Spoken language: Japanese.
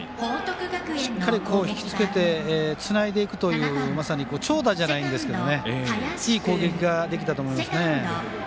しっかり引きつけてつないでいくというまさに長打じゃないんですけどいい攻撃ができたと思います。